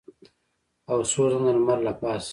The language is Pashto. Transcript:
او سوځنده لمر له پاسه.